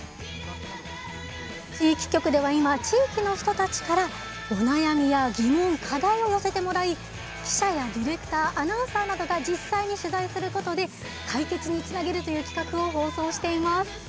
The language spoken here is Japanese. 地域局では今地域の人たちからお悩みや疑問課題を寄せてもらい記者やディレクターアナウンサーなどが実際に取材することで解決につなげるという企画を放送しています。